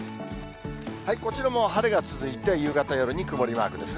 こちらも晴れが続いて、夕方、夜に曇りマークですね。